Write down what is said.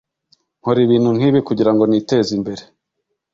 nkora ibintu nkibi kugirango niteze imbere